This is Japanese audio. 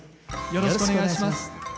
よろしくお願いします。